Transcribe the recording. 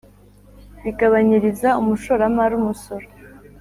Bigabanyiriza umushoramari umusoro